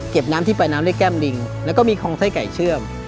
เก็บไปที่นั้นด้วยแก้มริงแล้วก็มีคลองไท้ไก่เชื่อม